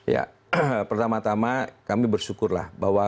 ya pertama tama kami bersyukurlah